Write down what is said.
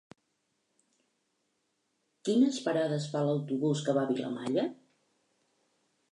Quines parades fa l'autobús que va a Vilamalla?